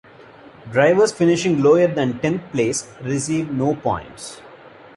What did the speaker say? Drivers finishing lower than tenth place receive no points.